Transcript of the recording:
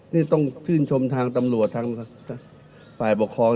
นี่ต้องชื่นชมทางตำรวจทางฝ่ายปกครอง